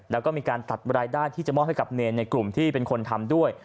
แล้วก็มีการตัดรายได้ที่จะมอบให้กับเนรในกลุ่มที่เป็นคนทำด้วย